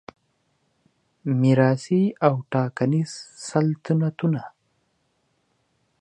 میراثي او ټاکنیز سلطنتونه